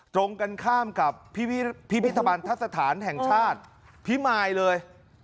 ตรงกันข้ามกับพิพิธภัณฑสถานแห่งชาติพิมายเลย